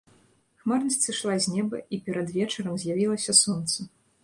Хмарнасць сышла з неба, і перад вечарам з'явілася сонца.